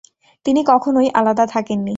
তিনি কখনোই আলাদা থাকেননি।